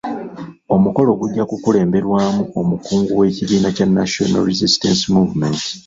Omukolo gujja kukulemberwamu omukungu w'ekibiina kya National Resisitance Movement.